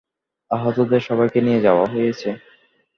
আহতদের সবাইকে নিয়ে যাওয়া হয়েছে।